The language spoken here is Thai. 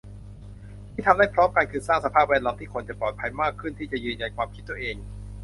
ที่ทำได้พร้อมกัน คือสร้างสภาพแวดล้อมที่คนจะปลอดภัยมากขึ้นที่จะยืนยันความคิดตัวเอง